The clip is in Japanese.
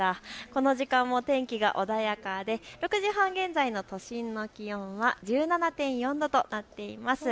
この時間も天気が穏やかで６時半現在の都心の気温は１７．４度となっています。